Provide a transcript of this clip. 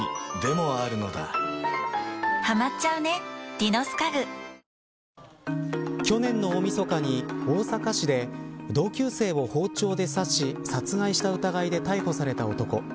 新「アタックＺＥＲＯ」去年の大みそかに、大阪市で同級生を包丁で刺し殺害した疑いで逮捕された男。